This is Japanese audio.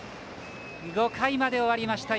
５回まで終わりました。